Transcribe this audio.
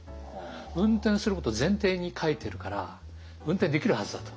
運転すること前提に描いてるから運転できるはずだと。